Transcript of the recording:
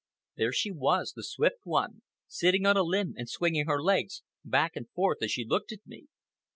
There she was, the Swift One, sitting on a limb and swinging her legs back and forth as she looked at me.